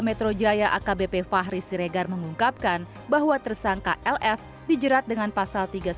metro jaya akbp fahri siregar mengungkapkan bahwa tersangka lf dijerat dengan pasal tiga ratus sembilan puluh